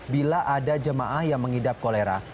bila ada jemaah yang mengidap kolera